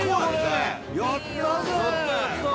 ◆やったぜ。